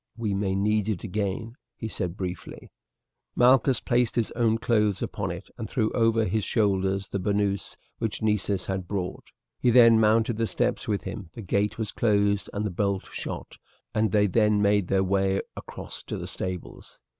"We may need it again," he said briefly. Malchus placed his own clothes upon it and threw over his shoulders the bernous which Nessus had brought. He then mounted the steps with him, the gate was closed and the bolt shot, and they then made their way across to the stables.